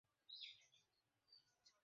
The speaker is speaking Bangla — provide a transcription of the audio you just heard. তোমার মায়ের সাথে কথা বলেছ।